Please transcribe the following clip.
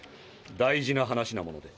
大事な話なもので。